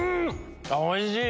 おいしい！